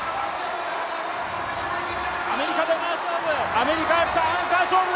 アメリカが来た、アンカー勝負。